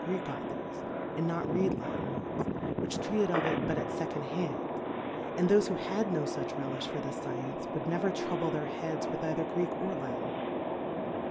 Greek Authors^ a?id not read Latin ones^ vohich treated of It hut at Second^ ha?id\ and tbofe who had no fuch Relijh for this Science^ would never trouhle their He.f^ds with either Greek or La tin.